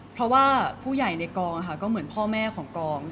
เพราะว่าผู้ใหญ่ในกองก็เหมือนพ่อแม่ของกอง